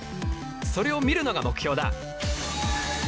それを見るのが目標だ。